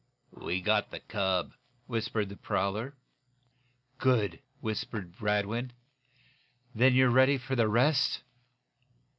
"We got the cub," whispered the prowler. "Good!" whispered Radwin. "Then you're ready for the rest?"